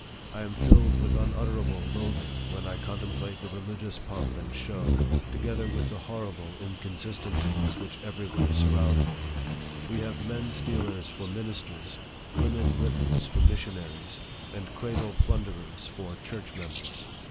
I am filled with unutterable loathing when I contemplate the religious pomp and show, together with the horrible inconsistencies, which every where surround me. We have men stea!ers for ministers, women whippers for missionaries, and cradle plunderers for church members.